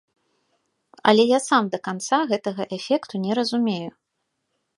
Але я сам да канца гэтага эфекту не разумею.